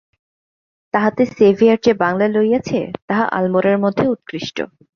তাহাতে সেভিয়ার যে বাংলা লইয়াছে, তাহা আলমোড়ার মধ্যে উৎকৃষ্ট।